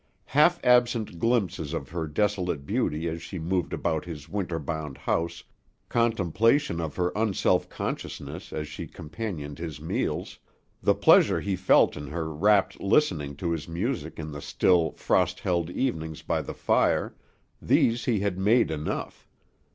Half absent glimpses of her desolate beauty as she moved about his winter bound house, contemplation of her unself consciousness as she companioned his meals, the pleasure he felt in her rapt listening to his music in the still, frost held evenings by the fire these he had made enough.